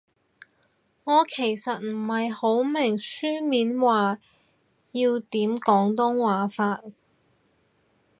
我其實唔係好明書面語要點廣東話法